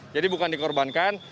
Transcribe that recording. jadi bukan dikorbankan